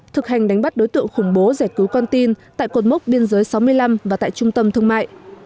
thực hành đánh bắt đối tượng khủng bố giải cứu con tin tại cột mốc biên giới sáu mươi năm và tại trung tâm thương mại